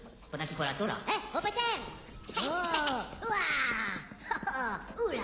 こら！